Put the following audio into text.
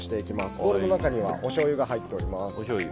ボウルの中にはおしょうゆが入っております。